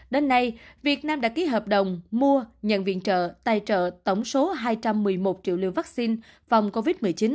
đến nay việt nam đã ký hợp đồng mua nhận viện trợ tài trợ tổng số hai trăm một mươi một triệu liều vaccine phòng covid một mươi chín